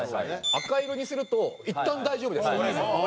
赤色にすると「いったん大丈夫です」。